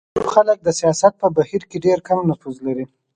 غریب خلک د سیاست په بهیر کې ډېر کم نفوذ لري.